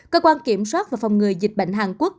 cơ quan kiểm soát và phòng ngừa dịch bệnh hàn quốc